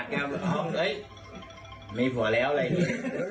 ประกาศเนี้ยห้องเอ๊ยไม่พอแล้วอะไรอย่างงี้